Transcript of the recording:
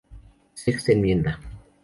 Sexta enmienda.